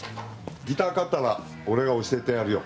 ギター買ったら俺が教えてやるよ。